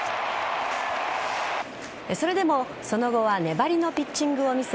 それでもその後は粘りのピッチングを見せ